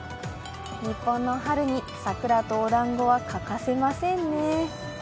日本の春に桜とおだんごは欠かせませんね。